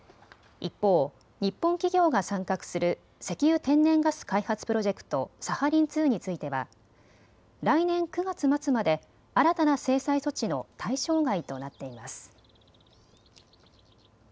一方、日本企業が参画する石油・天然ガス開発プロジェクト、サハリン２については来年９月末まで新たな制裁措置の対象外となっています。